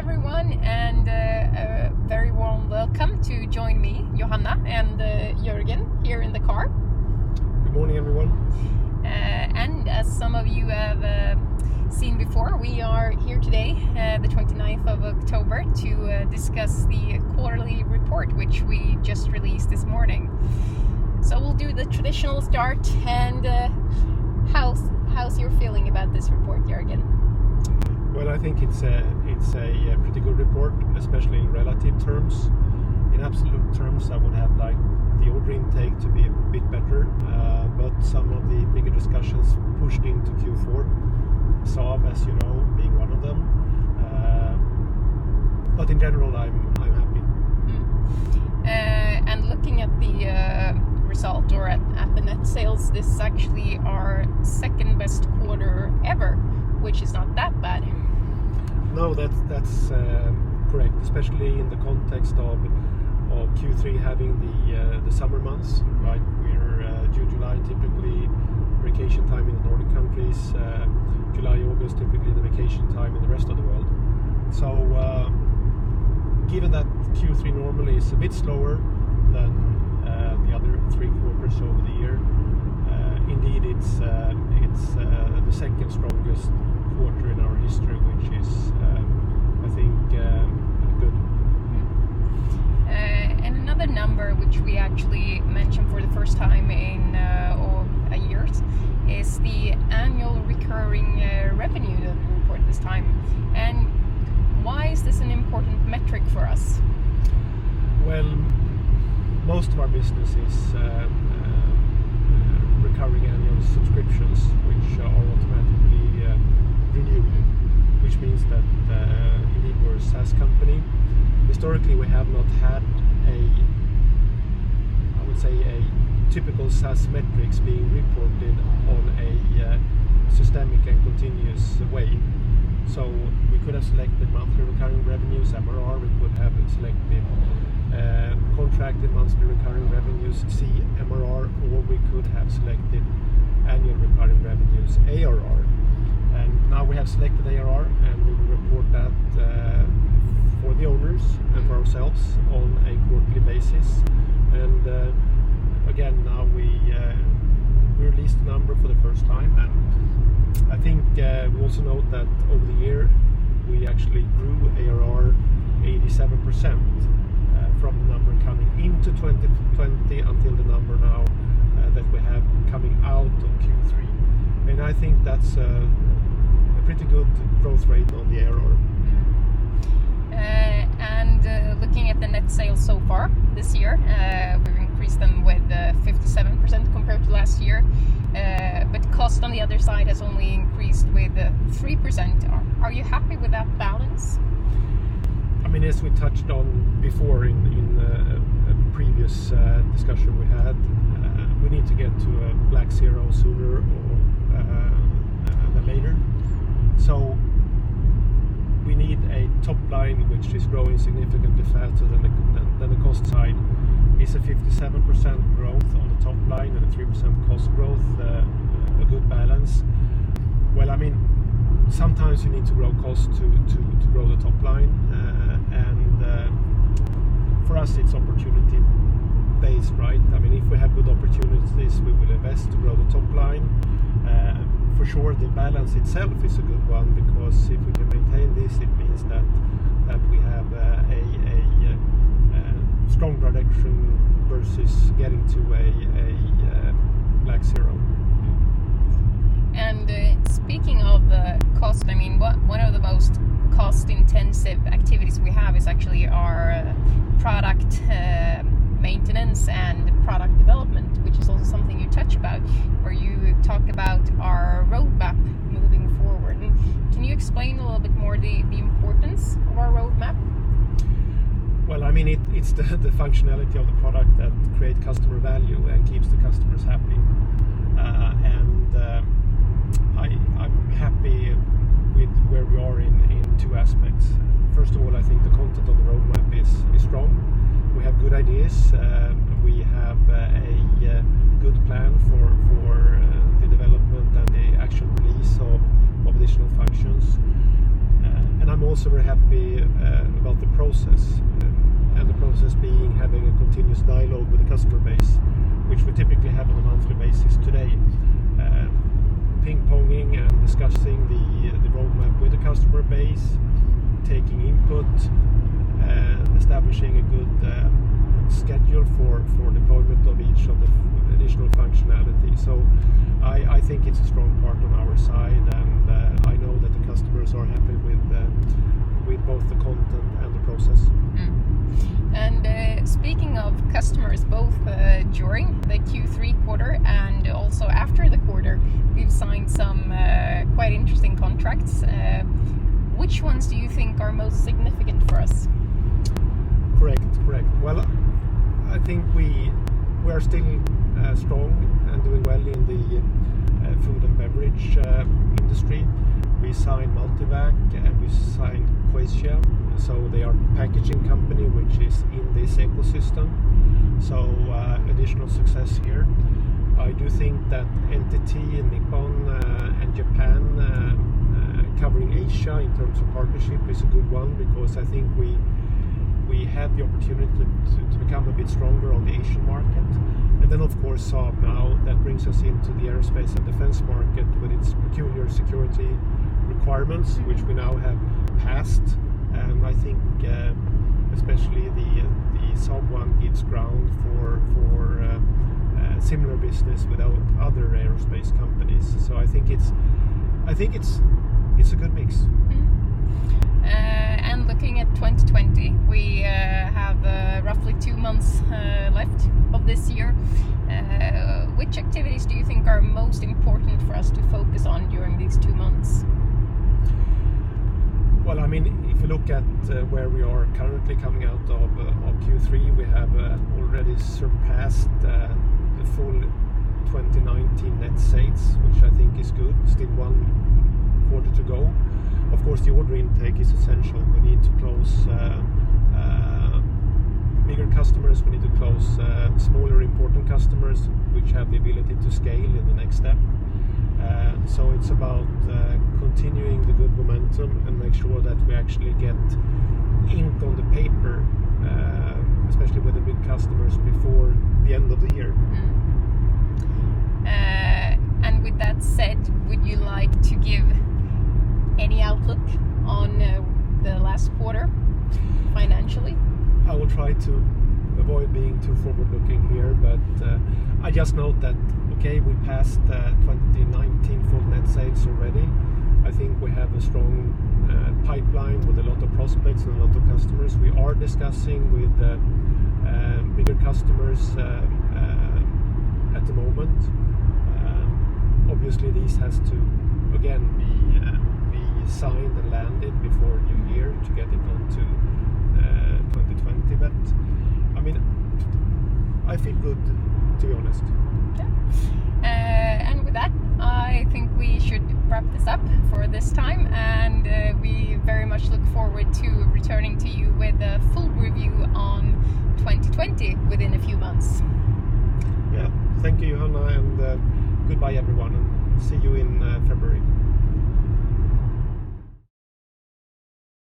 Hi everyone, and a very warm welcome to join me, Johanna, and Jörgen here in the car. Good morning, everyone. As some of you have seen before, we are here today, the 29th of October, to discuss the quarterly report, which we just released this morning. We'll do the traditional start and how's your feeling about this report, Jörgen? Well, I think it's a pretty good report, especially in relative terms. In absolute terms, I would have liked the order intake to be a bit better. Some of the bigger discussions pushed into Q4, Saab, as you know, being one of them. In general, I'm happy. Looking at the result or at the net sales, this is actually our second-best quarter ever, which is not that bad. No, that's correct, especially in the context of Q3 having the summer months. We're, June, July, typically vacation time in the Nordic countries. July, August, typically the vacation time in the rest of the world. Given that Q3 normally is a bit slower than the other three quarters over the year, indeed, it's the second strongest quarter in our history, which is, I think, good. Another number, which we actually mention for the first time in, oh, years, is the annual recurring revenue that we report this time. Why is this an important metric for us? Well, most of our business is recurring annual subscriptions, which are automatically renewed, which means that indeed we're a SaaS company. Historically, we have not had, I would say, a typical SaaS metrics being reported on a systemic and continuous way. We could have selected monthly recurring revenues, MRR. We could have selected contracted monthly recurring revenues, CMRR, or we could have selected annual recurring revenues, ARR. Now we have selected ARR, and we will report that for the owners and for ourselves on a quarterly basis. Again, now we released the number for the first time, and I think we also note that over the year, we actually grew ARR 87% from the number coming into 2020 until the number now that we have coming out of Q3. I think that's a pretty good growth rate on the ARR. Looking at the net sales so far this year, we've increased them with 57% compared to last year. Cost, on the other side, has only increased with 3%. Are you happy with that balance? As we touched on before in a previous discussion we had, we need to get to a black zero sooner than later. We need a top line which is growing significantly faster than the cost side. Is a 57% growth on the top line and a 3% cost growth a good balance? Well, sometimes you need to grow cost to grow the top line. For us, it's opportunity based. If we have good opportunities, we will invest to grow the top line. For sure, the balance itself is a good one, because if we can maintain this, it means that we have a strong prediction versus getting to a black zero. Speaking of cost, one of the most cost-intensive activities we have is actually our product maintenance and product development, which is also something you touch about, where you talk about our roadmap moving forward. Can you explain a little bit more the importance of our roadmap? Well, it's the functionality of the product that create customer value and keeps the customers happy. I'm happy with where we are in two aspects. First of all, I think the content of the roadmap is strong. We have good ideas. We have a good plan for the development and the actual release of additional functions. I'm also very happy about the process, and the process being having a continuous dialogue with the customer base, which we typically have on a monthly basis today. Ping-ponging and discussing the roadmap with the customer base, taking input, establishing a good schedule for deployment of each of the additional functionality. I think it's a strong part on our side, and I know that the customers are happy with both the content and the process. Speaking of customers, both during the Q3 quarter and also after the quarter, we've signed some quite interesting contracts. Which ones do you think are most significant for us? Correct. Well, I think we are still strong and doing well in the food and beverage industry. We signed MULTIVAC. Signed Coesia, so they are a packaging company which is in this ecosystem. Additional success here. I do think that NTT and Nippon and Japan, covering Asia in terms of partnership is a good one because I think we had the opportunity to become a bit stronger on the Asian market. Of course, Saab now, that brings us into the aerospace and defense market with its peculiar security requirements, which we now have passed. I think especially the Saab one gives ground for similar business with our other aerospace companies. I think it's a good mix. Looking at 2020, we have roughly two months left of this year. Which activities do you think are most important for us to focus on during these two months? Well, if you look at where we are currently coming out of Q3, we have already surpassed the full 2019 net sales, which I think is good. Still one quarter to go. Of course, the order intake is essential. We need to close bigger customers, we need to close smaller, important customers which have the ability to scale in the next step. It's about continuing the good momentum and make sure that we actually get ink on the paper, especially with the big customers, before the end of the year. Mm-hmm. With that said, would you like to give any outlook on the last quarter financially? I will try to avoid being too forward-looking here. I just note that, okay, we passed 2019 full net sales already. I think we have a strong pipeline with a lot of prospects and a lot of customers. We are discussing with bigger customers at the moment. Obviously, these have to, again, be signed and landed before New Year to get it onto 2020. I feel good, to be honest. Yeah. With that, I think we should wrap this up for this time, and we very much look forward to returning to you with a full review on 2020 within a few months. Yeah. Thank you, Johanna, and goodbye everyone, and see you in February.